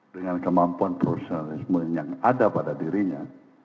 dengan kemampuan profesionalisme yang ada pada dirinya